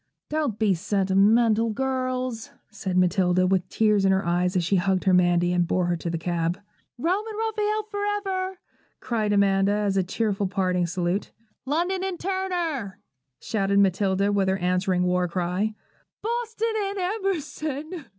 'Don't be sentimental, girls' said Matilda, with tears in her eyes, as she hugged her Mandy, and bore her to the cab. 'Rome and Raphael for ever!' cried Amanda, as a cheerful parting salute. 'London and Turner!' shouted Matilda with her answering war cry. 'Boston and Emerson!'